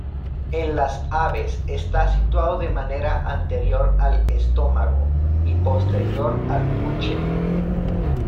En las aves está situado de manera anterior al estómago y posterior al buche.